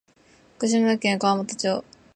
福島県川俣町